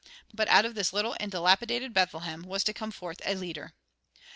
But out of this little and dilapidated Bethlehem was to come forth a leader.